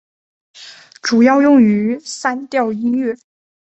主要用于散调音乐。